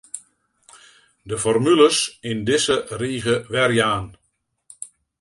De formules yn dizze rige werjaan.